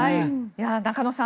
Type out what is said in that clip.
中野さん